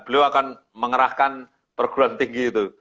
beliau akan mengerahkan perguruan tinggi itu